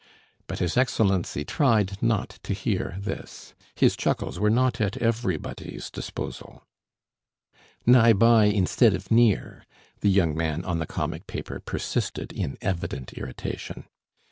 But his Excellency tried not to hear this. His chuckles were not at everybody's disposal. "Nigh by, instead of near," the young man on the comic paper persisted, in evident irritation.